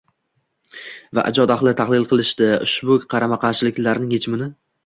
va ijod ahli tahlil qilishdi; ushbu qarama-qarshiliklarning yechimini